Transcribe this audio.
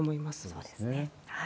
そうですね。